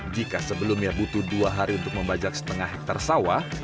jika sebelumnya butuh dua hari untuk membajak setengah hektare sawah